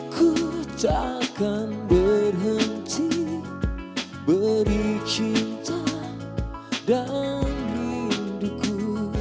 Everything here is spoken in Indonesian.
ku takkan berhenti beri cinta dan rinduku